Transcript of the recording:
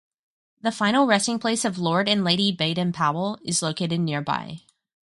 The final resting place of Lord and Lady Baden-Powell is located nearby.